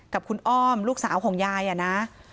กับคุณอ้อมลูกสาวของยายอะนะ